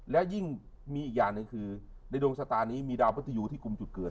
แล้วยิ่งมีอีกอย่างคือในโดงชะตานี้มีดาวมทรวยูที่กลุ่มจุดเกิด